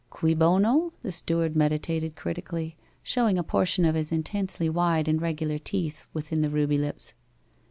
'Cui bono?' The steward meditated critically, showing a portion of his intensely wide and regular teeth within the ruby lips.